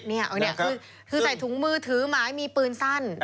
นี่คือใส่ถุงมือถือหมายมีปืนสั้น